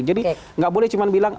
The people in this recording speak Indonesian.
jadi nggak boleh cuman bilang